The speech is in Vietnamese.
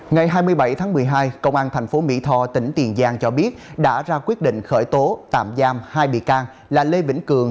ngày hai mươi bảy tháng một mươi hai công an thành phố mỹ tho tỉnh tiền giang cho biết đã ra quyết định khởi tố tạm giam hai bị can là lê vĩnh cường